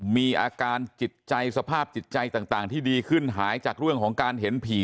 มีอาการจิตใจสภาพจิตใจต่างที่ดีขึ้นหายจากเรื่องของการเห็นผี